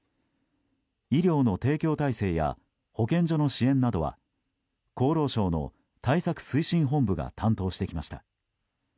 医療の提供体制や保健所の支援などは厚労省の対策推進本部が担当してきました。